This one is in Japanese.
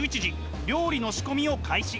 料理の仕込みを開始。